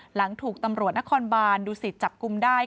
หลังถูกตำรวจนครบานดูสิตจับกลุ่มได้